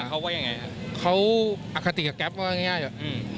เขาก็ยังไงครับเขาอคติกับแก๊ปก็ง่ายง่ายอยู่อืม